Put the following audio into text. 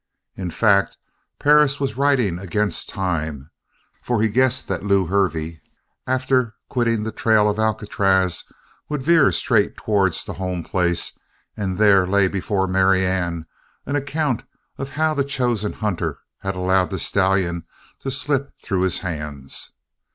In fact, Perris was riding against time, for he guessed that Lew Hervey, after quitting the trail of Alcatraz, would veer straight towards the home place and there lay before Marianne an account of how the chosen hunter had allowed the stallion to slip through his hands.